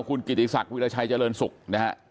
คุณกิติศักดิ์วิรชัยเจริญสุขนะครับ